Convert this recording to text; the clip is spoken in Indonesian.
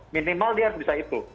minimal dia harus bisa itu